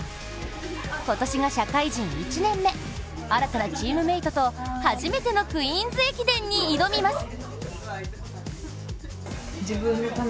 今年が社会人１年目、新たなチームメイトと初めてのクイーンズ駅伝に挑みます。